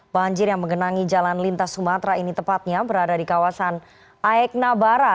banjir yang mengenangi jalan lintas sumatera ini tepatnya berada di kawasan aeknabara